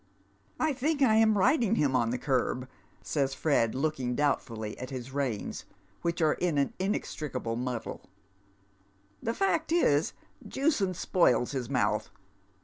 " I tliink I am riding him on the curb," says Fred, looking doubtiuliy at his reins, which are in an inextricable muddle, '• ihe fact is Jewson spoils his mouth.